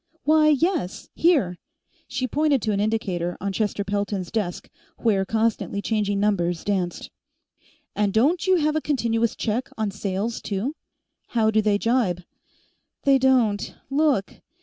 "Why, yes; here." She pointed to an indicator on Chester Pelton's desk, where constantly changing numbers danced. "And don't you have a continuous check on sales, too? How do they jibe?" "They don't; look.